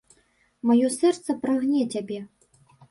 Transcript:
Маё сэрца прагне цябе.